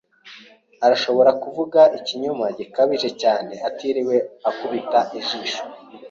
Arashobora kuvuga ikinyoma gikabije cyane atiriwe akubita ijisho.